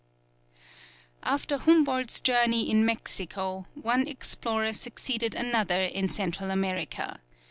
After Humboldt's journey in Mexico, one explorer succeeded another in Central America.